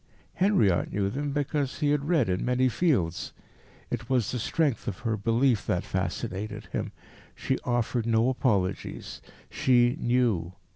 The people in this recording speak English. Henriot knew them, because he had read in many fields. It was the strength of her belief that fascinated him. She offered no apologies. She knew.